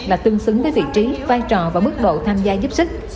là tương xứng với vị trí vai trò và mức độ tham gia giúp sức